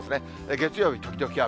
月曜日、時々雨。